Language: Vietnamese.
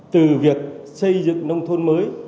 từ việc xây dựng nông thôn mới